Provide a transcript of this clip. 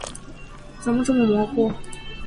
怎么这么模糊？